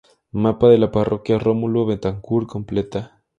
Mapa de la Parroquia Rómulo Betancourt completa.